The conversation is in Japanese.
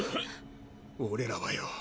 俺らはよ